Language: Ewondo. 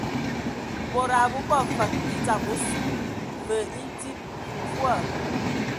Mod a bobo fəg e dzam osu, və e dzi mvua.